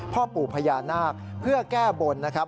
พ่อปู่พญานาคเพื่อแก้บนนะครับ